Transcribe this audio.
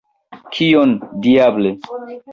Kion, diable!